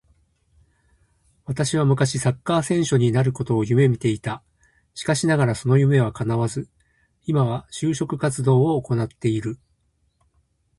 私は昔サッカー選手になることを夢見ていた。しかしながらその夢は叶わず、今は就職活動を行ってる。